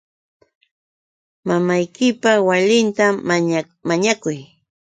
Mamaykipa walinta mañakuy.